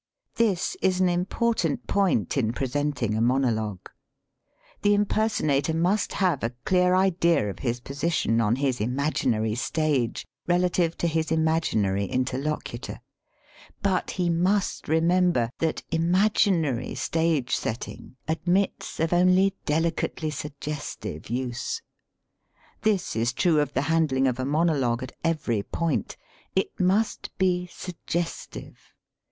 This is an important point in presenting a monologue. /The impersonator must have a clear idea of * his position on his imaginary stage relative to his imaginary interlocutor. But he must remember that imaginary stage setting ad mits of only delicately suggestive use. This is true of the handling of a monologue at ev ery point. It must be suggestive.